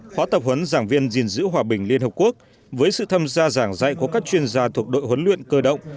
khóa tập huấn giảng viên gìn giữ hòa bình liên hợp quốc với sự tham gia giảng dạy của các chuyên gia thuộc đội huấn luyện cơ động